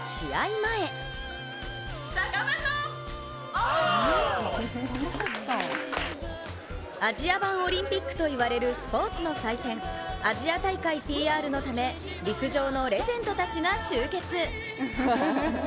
前アジア版オリンピックと言われるスポーツの祭典、アジア大会ＰＲのため、陸上のレジェンドたちが集結。